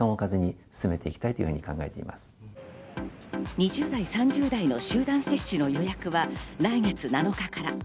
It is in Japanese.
２０代、３０代の集団接種の予約は来月７日から。